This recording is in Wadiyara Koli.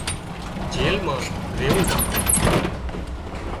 جيل مان ريوون پڙوت